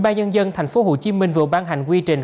ubnd tp hcm vừa ban hành quy trình